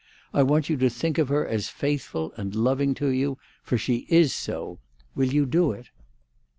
I want you to think of her as faithful and loving to you, for she is so. Will you do it?"